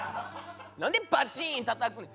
何でバチンたたくねん？